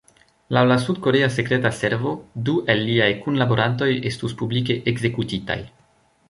Laŭ la sud-korea sekreta servo, du el liaj kunlaborantoj estus publike ekzekutitaj.